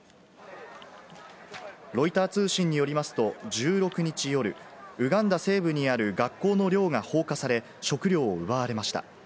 ロイター通信によりますと、１６日夜、ウガンダ西部にある学校の寮が放火され、食料を奪われました。